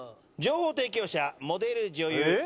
情報提供者モデル女優